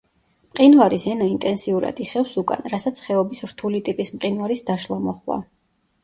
მყინვარის ენა ინტენსიურად იხევს უკან, რასაც ხეობის რთული ტიპის მყინვარის დაშლა მოჰყვა.